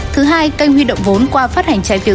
thứ hai kênh huy động vốn qua phát hành trái phiếu